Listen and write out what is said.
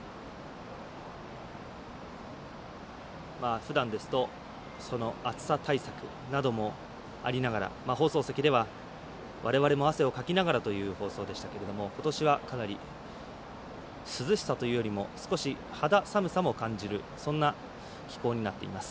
ふだんですと暑さ対策などもありながら放送席では、われわれも汗をかきながらの放送でしたがことしはかなり涼しさというよりも肌寒さも感じる、そんな気候になっています。